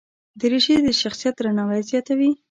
دریشي د شخصیت درناوی زیاتوي.